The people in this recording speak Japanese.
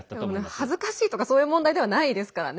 恥ずかしいとかそういう問題ではないですからね。